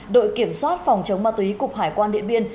đội kiểm soát phòng chống ma túy cục hải quan điện biên